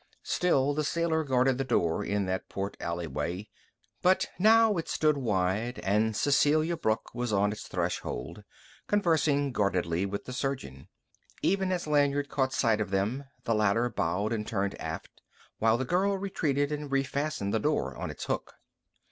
Still the sailor guarded the door in that port alleyway; but now it stood wide, and Cecelia Brooke was on its threshold, conversing guardedly with the surgeon. Even as Lanyard caught sight of them, the latter bowed and turned aft, while the girl retreated and refastened the door on its hook.